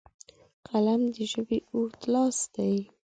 قلم د ژبې اوږد لاس دی